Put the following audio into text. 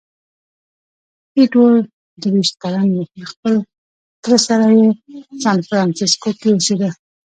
ایټور درویشت کلن وو، له خپل تره سره په سانفرانسیسکو کې اوسېده.